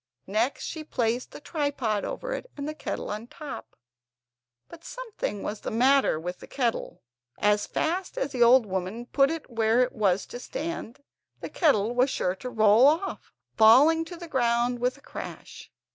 Next, she placed the tripod over it, and the kettle on top. But something was the matter with the kettle. As fast as the old woman put it where it was to stand, that kettle was sure to roll off, falling to the ground with a crash.